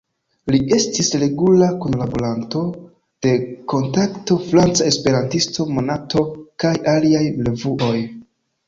Li estis regula kunlaboranto de "Kontakto," "Franca Esperantisto", "Monato" kaj aliaj revuoj.